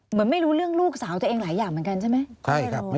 ไม่รู้เรื่องลูกสาวตัวเองหลายอย่างเหมือนกันใช่ไหม